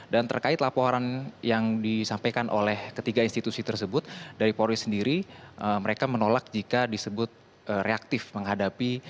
dan terkait laporan yang disampaikan oleh ketiga institusi tersebut dari polri sendiri mereka menolak jika disebut reaktif menghadapi